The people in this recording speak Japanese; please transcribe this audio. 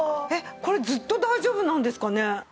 これずっと大丈夫なんですかね？